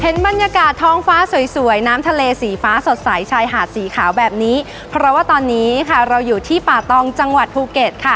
บรรยากาศท้องฟ้าสวยสวยน้ำทะเลสีฟ้าสดใสชายหาดสีขาวแบบนี้เพราะว่าตอนนี้ค่ะเราอยู่ที่ป่าตองจังหวัดภูเก็ตค่ะ